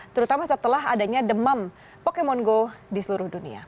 terutama setelah adanya demam pokemon go di seluruh dunia